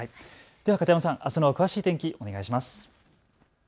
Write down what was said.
では片山さん、あすの詳しい天気をお願いします。